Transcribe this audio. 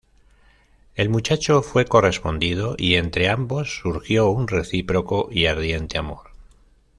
El muchacho fue correspondido y entre ambos surgió un recíproco y ardiente amor.